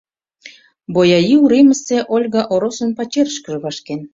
Бойаи уремысе Ольга Оросын пачерышкыже вашкен.